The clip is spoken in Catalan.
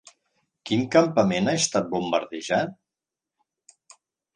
Quin campament ha estat bombardejat?